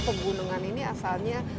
pembunuhan ini asalnya